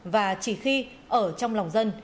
và chỉ khi ở trong lòng dân